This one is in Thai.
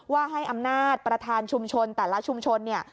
ว่าให้อำนาจประธานชุมชนแต่ละชุมชนเนี่ย